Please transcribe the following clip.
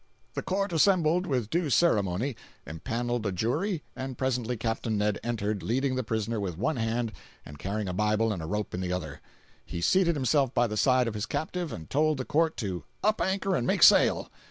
The court assembled with due ceremony, empaneled a jury, and presently Capt. Ned entered, leading the prisoner with one hand and carrying a Bible and a rope in the other. He seated himself by the side of his captive and told the court to "up anchor and make sail."